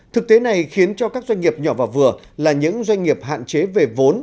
thực tế này khiến cho các doanh nghiệp nhỏ và vừa là những doanh nghiệp hạn chế về vốn